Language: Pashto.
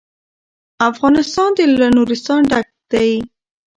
افغانستان له نورستان ډک دی.